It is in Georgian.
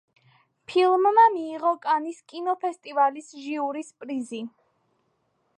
ფილმმა მიიღო კანის კინოფესტივალის ჟიურის პრიზი.